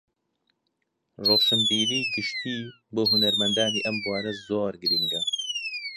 ڕۆشنبیریی گشتی بۆ هونەرمەندانی ئەم بوارە زۆر گرنگە